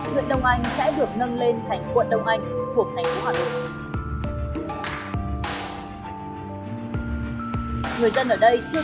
huyện đông anh sẽ được nâng lên thành quận đông anh thuộc thành phố hà nội người dân ở đây chưa